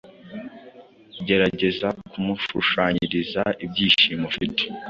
Gerageza kumushushanyiriza ibyishimo ufite